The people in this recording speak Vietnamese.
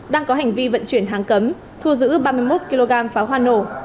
đang có hành vi vận chuyển hàng cấm thu giữ ba mươi một kg pháo hoa nổ